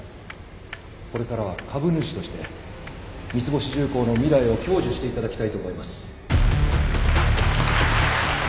これからは株主として三ツ星重工の未来を享受していただきたいと思います。